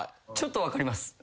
ちょっと分かります。